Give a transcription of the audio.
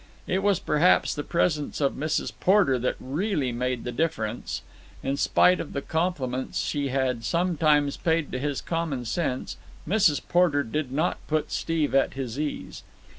It was perhaps the presence of Mrs. Porter that really made the difference. In spite of the compliments she had sometimes paid to his common sense, Mrs. Porter did not put Steve at his ease.